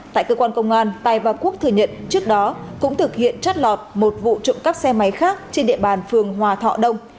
tại cơ quan công an tài và quốc thừa nhận trước đó cũng thực hiện trót lọt một vụ trộm cắp xe máy khác trên địa bàn phường hòa thọ đông